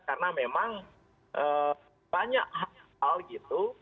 karena memang banyak hal hal gitu